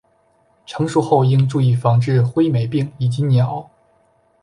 成熟后应注意防治灰霉病以及鸟。